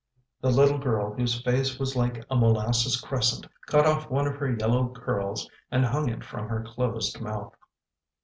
The little girl whose face was like a molasses crescent cut off one of her yellow curls and hung it from her closed mouth.